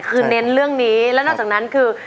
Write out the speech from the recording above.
คือเน้นเรื่องนี้แล้วนอกจากนั้นคือ